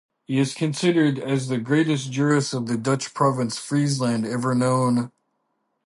He is considered as the greatest jurist of the Dutch province Friesland ever known.